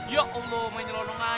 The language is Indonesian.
ya allah menyelonongannya